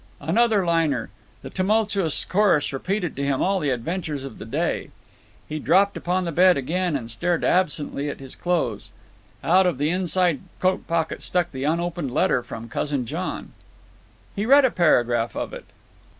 Another liner. The tumultuous chorus repeated to him all the adventures of the day. He dropped upon the bed again and stared absently at his clothes. Out of the inside coat pocket stuck the unopened letter from Cousin John. He read a paragraph of it.